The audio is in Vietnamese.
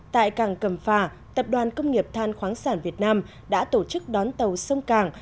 tại cảng cầm phà tập đoàn công nghiệp than khoáng sản việt nam đã tổ chức đón tàu sông càng